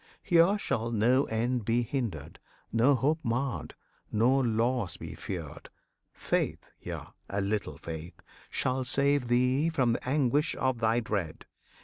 Here shall no end be hindered, no hope marred, No loss be feared: faith yea, a little faith Shall save thee from the anguish of thy dread.